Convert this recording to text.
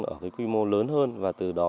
ở cái quy mô lớn hơn và từ đó